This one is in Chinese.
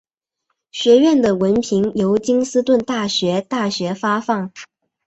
学院的文凭由金斯顿大学大学发放。